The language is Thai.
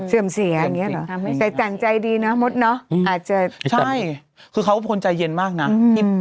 เสื่อมเสียอันเนี้ยหรอแต่จังใจดีเนอะมดเนอะอาจจะใช่คือเขาก็พนใจเย็นมากน่ะอืม